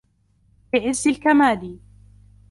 لِعِزِّ الْكَمَالِ